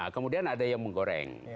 kemudian ada yang menggoreng